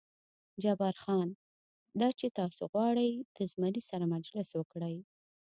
جبار خان: دا چې تاسې غواړئ د زمري سره مجلس وکړئ.